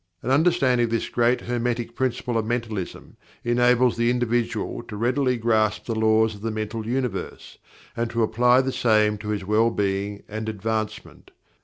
An understanding of this great Hermetic Principle of Mentalism enables the individual to readily grasp the laws of the Mental Universe, and to apply the same to his well being and advancement.